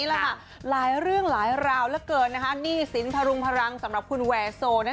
หลายเรื่องหลายราวศิลปะลุงภารังสำหรับคุณแวโซ